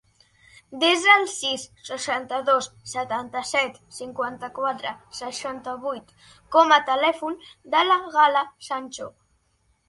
Desa el sis, seixanta-dos, setanta-set, cinquanta-quatre, seixanta-vuit com a telèfon de la Gala Sancho.